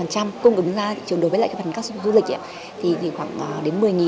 cung ứng ra đối với các doanh nghiệp du lịch khoảng đến một mươi vé